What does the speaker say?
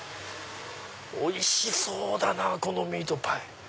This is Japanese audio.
おいしそうだなこのミートパイ。